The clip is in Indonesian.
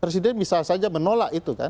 presiden bisa saja menolak itu kan